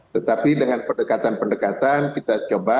tetapi dengan pendekatan pendekatan kita coba